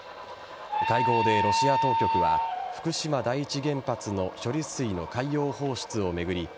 会合でロシア当局は福島第一原発の処理水の海洋放出を巡り